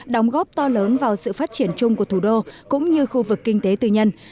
đóng góp to lớn vào sự phát triển chung của thủ đô cũng như khu vực kinh tế tư nhân